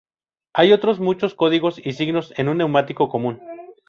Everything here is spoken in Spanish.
Hay otros muchos códigos y signos en un neumático común.